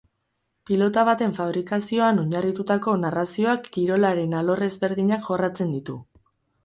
Pilota baten fabrikazioan oinarritutako narrazioak kirolaren alor ezberdinak jorratzen ditu.